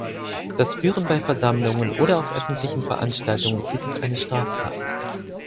Das Führen bei Versammlungen oder auf öffentlichen Veranstaltungen ist eine Straftat.